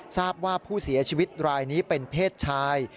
ทราบว่าผู้เสียชีวิตรายนี้เป็นเพศชาย